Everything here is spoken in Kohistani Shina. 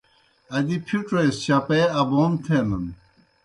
ادی پِھڇوْئے سہ چپے ابوم تھینَن۔